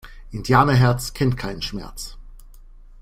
Indianerherz kennt keinen Schmerz!